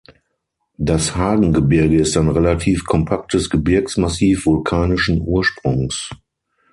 Das Hagengebirge ist ein relativ kompaktes Gebirgsmassiv vulkanischen Ursprungs.